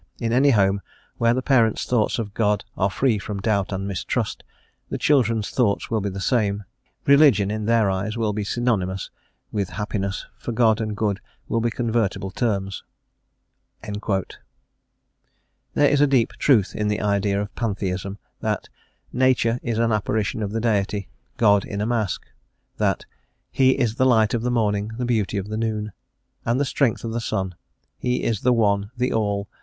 In any home where the parents' thoughts of God are free from doubt and mistrust, the children's thoughts will be the same; religion, in their eyes, will be synonymous with happiness, for God and good will be convertible terms. There is a deep truth in the idea of Pantheism, that "Nature is an apparition of the Deity, God in a mask;" that "He is the light of the morning, the beauty of the noon, and the strength of the sun. He is the One, the All...